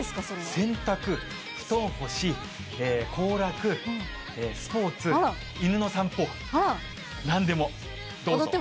洗濯、布団干し、行楽、スポーツ、犬の散歩、なんでもどうぞ。